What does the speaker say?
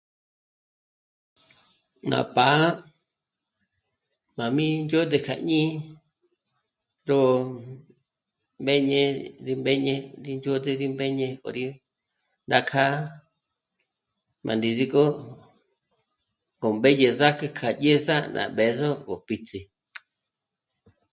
Ná pá'a má mí ndzhôd'ü kjá jñí'i ró mbéñe rí mbéñe rí ndzhôd'ü rí mbéñe k'o rí... nà k'â'a má ndízigö k'o mbédye zâk'ü kjá dyéza ná b'ë̌zo gó píts'i